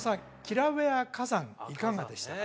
キラウエア火山いかがでしたか？